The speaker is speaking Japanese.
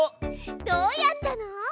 どうやったの？